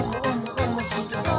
おもしろそう！」